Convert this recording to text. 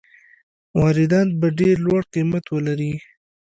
واردات به ډېر لوړ قیمت ولري.